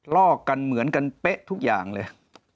ลอกกันเหมือนกันเป๊ะทุกอย่างเลย